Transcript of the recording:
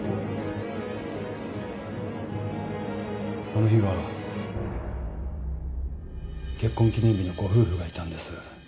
あの日は結婚記念日のご夫婦がいたんです。